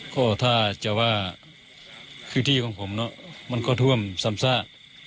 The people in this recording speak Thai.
ก็ถ้าจะว่าคือที่ของผมมันก็ท่วมซ้ำซาก